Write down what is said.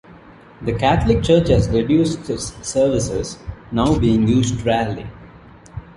The Catholic church has reduced its services, now being used rarely.